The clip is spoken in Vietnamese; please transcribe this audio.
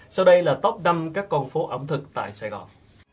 sau đây là top năm các con phố ẩm thực tại sài gòn